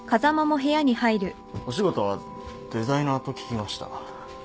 お仕事はデザイナーと聞きました。